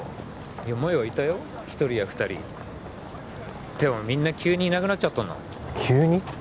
いや前はいたよ一人や二人でもみんな急にいなくなっちゃったんだもん急に？